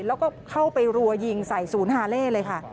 แล้วก็เข้าไปรัวยิงใส่ศูนย์ฮาเล่เลยค่ะ